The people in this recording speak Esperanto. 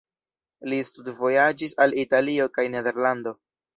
Li studvojaĝis al Italio kaj Nederlando.